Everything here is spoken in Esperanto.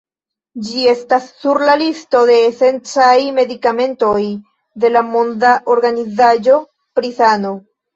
Ĝi estas sur la listo de esencaj medikamentoj de la Monda Organizaĵo pri Sano.